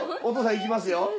お父さんいきますよ。